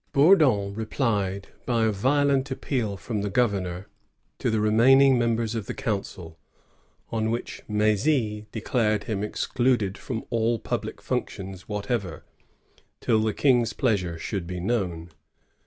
^ Bourdon replied by a violent appeal from the gov ernor to the remaining members of the council;' on which M6zj declared him excluded from all public functions whatever, till the King's pleasure should be known.'